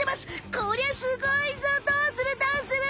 こりゃすごいぞどうするどうする？